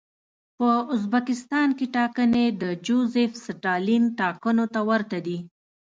په ازبکستان کې ټاکنې د جوزېف ستالین ټاکنو ته ورته دي.